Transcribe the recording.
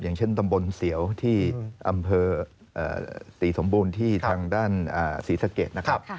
อย่างเช่นตำบลเสียวที่อำเภอศรีสมบูรณ์ที่ทางด้านศรีสะเกดนะครับ